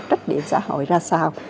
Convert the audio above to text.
trách điểm xã hội ra sao